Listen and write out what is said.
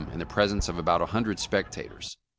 in the pres ence of about a hundred spectators.